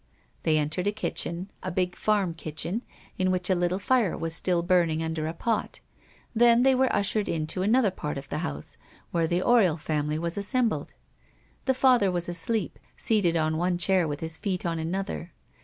They entered a kitchen, a big farm kitchen, in which a little fire was still burning under a pot; then they were ushered into another part of the house, where the Oriol family was assembled. The father was asleep, seated on one chair with his feet on another.